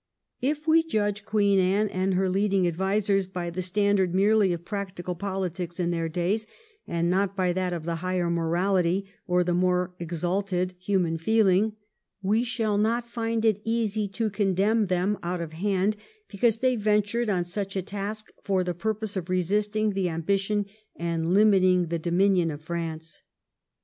If we judge Queen Anne and her leading advisers by the standard merely of practical politics in their days, and not by that of the higher morality, or the more exalted human feeling, we shall not find it easy to condemn them out of hand because they ventured on such a task for the purpose of resisting the ambition and limiting the dominion of France.